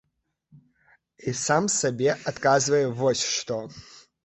І сам сабе адказвае вось што.